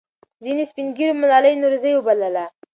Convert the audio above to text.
ځینې سپین ږیرو ملالۍ نورزۍ وبلله.